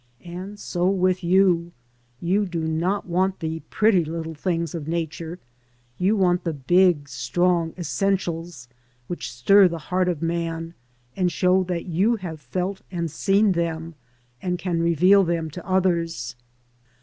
And so with you. You do not want the pretty little things of Nature ; you want the big strong essentials which stir the heart of man, and show that you have felt and seen them and can reveal them to others.